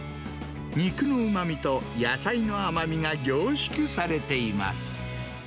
肉のうまみと野菜の甘みが凝縮されています。